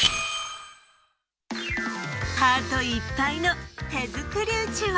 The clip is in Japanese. ハートいっぱいの手づくりうちわ。